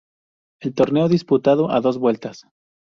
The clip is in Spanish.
El torneo disputado a dos vueltas.